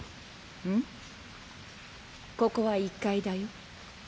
ここは１階だよ。